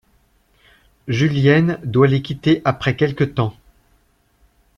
Julienne doit les quitter après quelque temps.